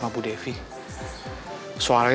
yang pkeepers itu selama dua menit